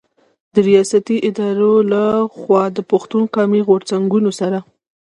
د رياستي ادارو له خوا د پښتون قامي غرځنګونو سره